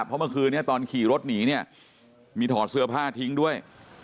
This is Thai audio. เพราะเมื่อคืนนี้ตอนขี่รถหนีเนี่ยมีถอดเสื้อผ้าทิ้งด้วย